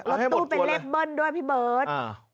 รถตู้เป็นเลขเบิ้ลด้วยพี่เบิร์ต